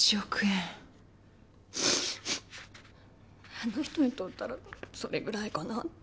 あの人にとったらそれぐらいかなって。